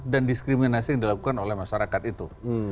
dan diskriminasi yang dilakukan oleh masyarakat itu